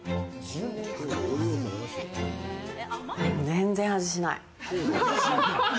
全然味しない。